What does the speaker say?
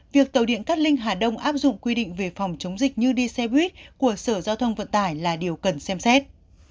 việc tàu điện cát linh hà đông áp dụng quy định về phòng chống dịch như đi xe buýt của sở giao thông vận tải là điều cần xem xét